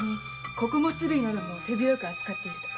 穀物類までも手広く扱っているとか。